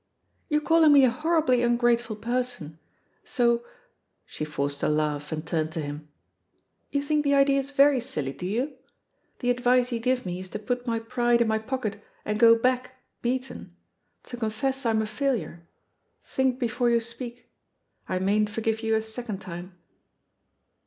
"You're calling me a horribly ungrateful per son I So" — ^she forced a laugh and turned to him — "you think the idea's very silly, do you? The advice you give me is to put my pride in my pocket and go back, beaten — ^to confess I'm a failure? Think before you speak I — ^I mayn't forgive you a second time."